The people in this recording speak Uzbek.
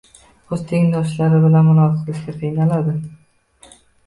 O‘z tengdoshlari bilan muloqot qilishga qiynaladi: